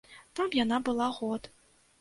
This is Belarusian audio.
Там яна была год.